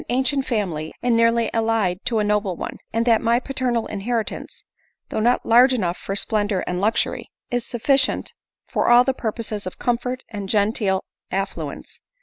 55 • ancient family, and nearly allied to a noble one ; and that my paternal inheritance, though not large enough for splendor and luxury, is sufficient for all the purposes of comfort and genteel affluence.